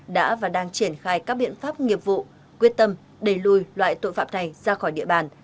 đã và đang triển khai các biện pháp nghiệp vụ quyết tâm đẩy lùi loại tội phạm này ra khỏi địa bàn